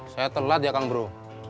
saya telat ya kang bro